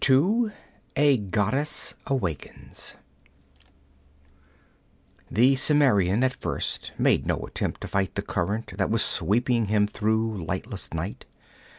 2 A Goddess Awakens The Cimmerian at first made no attempt to fight the current that was sweeping him through lightless night.